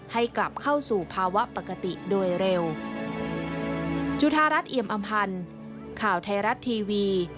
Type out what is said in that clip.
ให้กลับเข้าสู่ภาวะปกติโดยเร็ว